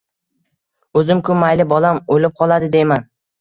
O‘zim-ku, mayli, bolam o‘lib qoladi, deyman.